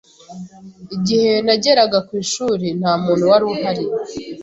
Igihe nageraga ku ishuri, nta muntu wari uhari.